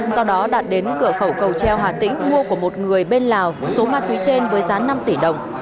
sau đó đạt đến cửa khẩu cầu treo hà tĩnh mua của một người bên lào số ma túy trên với giá năm tỷ đồng